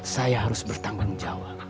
saya harus bertanggung jawab